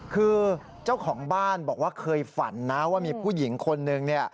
คือเจ้าของบ้านบอกว่าเคยฝันนะว่ามีผู้หญิงคนนึงเนี่ย